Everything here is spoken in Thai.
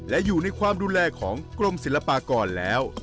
และอยู่ในความดูแลของกรมศิลปากรแล้ว